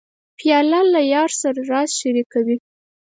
پیاله له یار سره راز شریکوي.